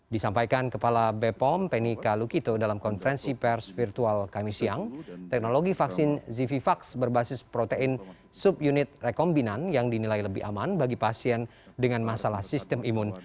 disampaikan kepala bepom penny kalukito dalam konferensi pers virtual kami siang teknologi vaksin zivivax berbasis protein subyunit rekombinan yang dinilai lebih aman bagi pasien dengan masalah sistem imun